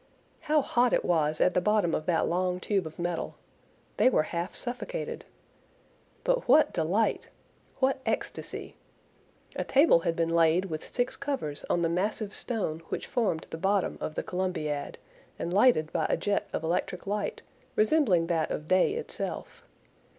How hot it was at the bottom of that long tube of metal! They were half suffocated. But what delight! What ecstasy! A table had been laid with six covers on the massive stone which formed the bottom of the Columbiad, and lighted by a jet of electric light resembling that of day itself.